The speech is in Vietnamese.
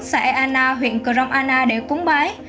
xã eanna huyện crong anna để cúng bái